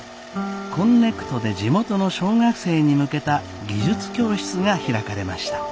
こんねくとで地元の小学生に向けた技術教室が開かれました。